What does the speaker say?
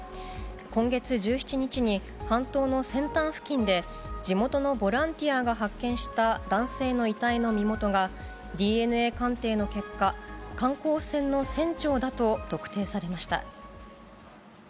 今月１７日に半島の先端付近で、地元のボランティアが発見した男性の遺体の身元が、ＤＮＡ鑑定の結果、観光船の船長だと特定されました。